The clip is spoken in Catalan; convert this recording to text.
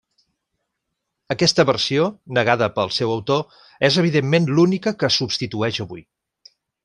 Aquesta versió, negada pel seu autor, és evidentment l'única que subsisteix avui.